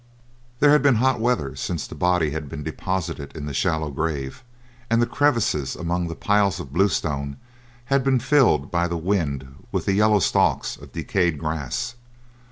There had been hot weather since the body had been deposited in the shallow grave, and the crevices among the piles of bluestones had been filled by the wind with the yellow stalks of decayed grass.